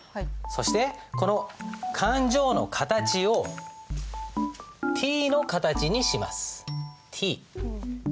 そしてこの勘定の形をＴの形にします。